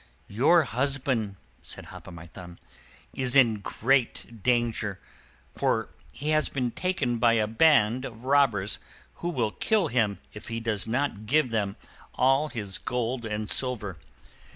"Your husband," said Hop o' My Thumb, "is in great danger, for he has been taken by a band of robbers, who will kill him if he does not give them all his gold and silver.